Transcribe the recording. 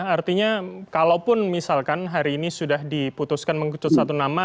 artinya kalaupun misalkan hari ini sudah diputuskan mengkucut satu nama